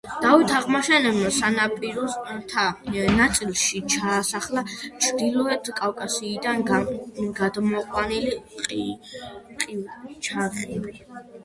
დავით აღმაშენებელმა სანაპიროთა ნაწილში ჩაასახლა ჩრდილოეთ კავკასიიდან გადმოყვანილი ყივჩაღები.